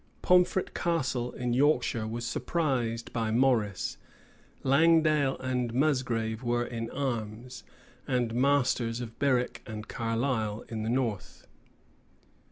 Pomfret Castle, in Yorkshire, was surprised by Morrice. Langdale and Musgrave were in arms, and masters of Berwick and Carlisle in the north.